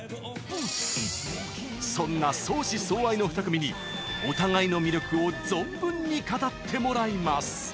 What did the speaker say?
そんな相思相愛の２組にお互いの魅力を存分に語ってもらいます！